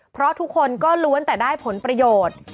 เพราะทุกคนก็ล้วนแต่ได้ผลประโยชน์